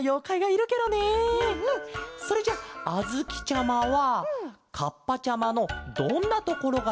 それじゃあづきちゃまはカッパちゃまのどんなところがすきケロ？